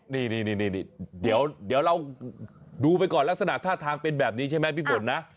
นี่เดี๋ยวเราดูไปก่อนลักษณะท่าทางเป็นแบบนี้ใช่ไหมพี่ฝนนะ